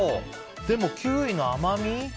でも、キウイの甘み？